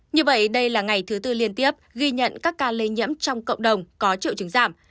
như vậy đây là ngày thứ tư liên tiếp ghi nhận các ca lây nhiễm trong cộng đồng có triệu chứng giảm